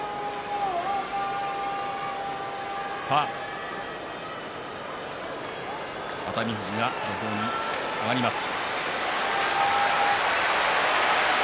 さあ、熱海富士が土俵に上がります。